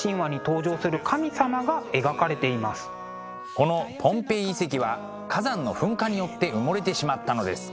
このポンペイ遺跡は火山の噴火によって埋もれてしまったのです。